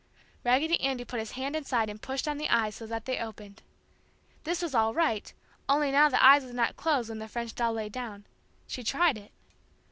Raggedy Andy put his hand inside and pushed on the eyes so that they opened. This was all right, only now the eyes would not close when the French doll lay down. She tried it.